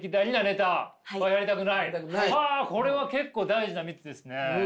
はあこれは結構大事な３つですね。